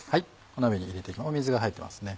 鍋に入れて水が入ってますね。